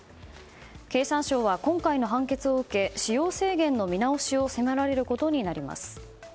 経産省は今回の判決を受け使用制限の見直しを迫られることになります。